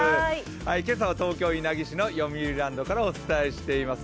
今朝は東京・稲城市のよみうりランドからお伝えしています。